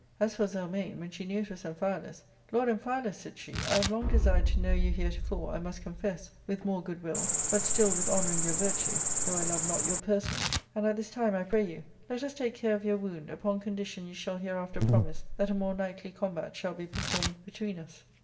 As for Zelmane, when she knew it was Amphialus, " Lord Amphialus, said she, " I have long desired to know you heretofore, I must confess, with more good will, but still with honouring your virtue, though I love not your person ; and at this time, I pray you, let us take care of your wound, upon condition you shall hereafter promise that a more knightly combat shall be performed between us."